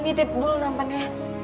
ditip dulu nampaknya